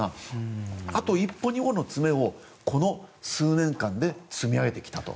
あと一歩、二歩の詰めをこの数年間で積み上げてきたと。